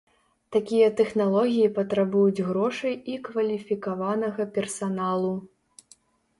Такія тэхналогіі патрабуюць грошай і кваліфікаванага персаналу.